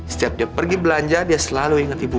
setiap dia pergi belanja dia selalu ingat ibu